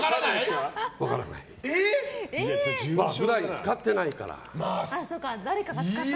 使ってないから。